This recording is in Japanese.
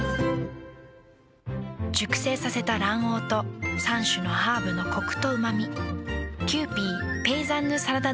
熟成させた卵黄と３種のハーブのコクとうま味。